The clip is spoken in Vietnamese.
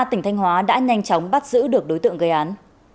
tỉnh thanh hóa đã nhanh chóng bắt giữ được đối tượng gây án